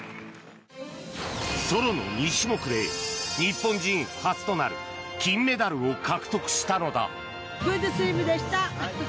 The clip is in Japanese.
ソロの２種目で日本人初となる金メダルを獲得したのだ。